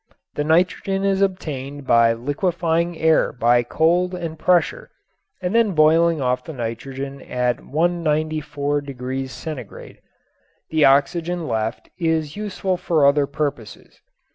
The nitrogen is obtained by liquefying air by cold and pressure and then boiling off the nitrogen at 194° C. The oxygen left is useful for other purposes.